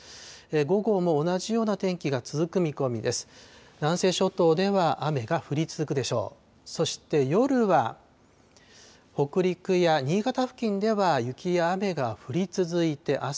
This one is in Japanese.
午後も同じような天気が続く見込みです。